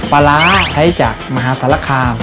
ปลาร้าใช้จากมหาสารคาม